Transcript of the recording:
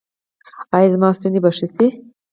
ایا زما ستونی به ښه شي؟